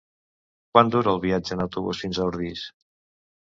Quant dura el viatge en autobús fins a Ordis?